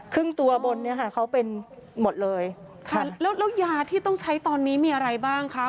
ครึ่งตัวบนเนี้ยค่ะเขาเป็นหมดเลยค่ะแล้วแล้วยาที่ต้องใช้ตอนนี้มีอะไรบ้างคะ